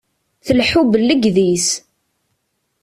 Tleḥḥu bellegdis.